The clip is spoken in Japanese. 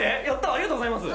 ありがとうございます。